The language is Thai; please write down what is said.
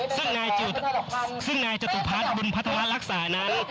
ซึ่งนายจตุพัฒน์บุญพัฒนารักษานั้น